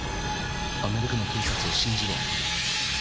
アメリカの警察を信じろ。